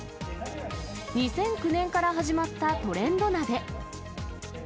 ２００９年から始まったトレンド鍋。